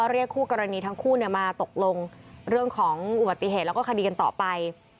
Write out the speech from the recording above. เรียกคู่กรณีทั้งคู่มาตกลงเรื่องของอุบัติเหตุแล้วก็คดีกันต่อไป